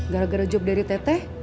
gara gara job dari teteh